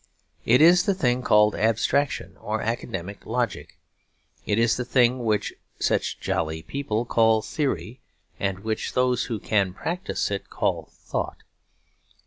It is the thing called abstraction or academic logic. It is the thing which such jolly people call theory; and which those who can practise it call thought.